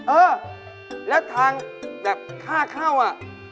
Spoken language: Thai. เออแล้วทางแบบค่าเข้าอ่ะ